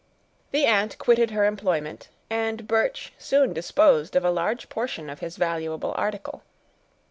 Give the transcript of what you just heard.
The aunt quitted her employment; and Birch soon disposed of a large portion of his valuable article.